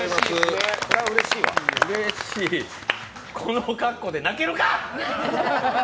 うれしい、この格好で泣けるか！